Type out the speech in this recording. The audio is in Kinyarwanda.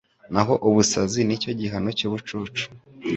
naho ubusazi ni cyo gihano cy’ubucucu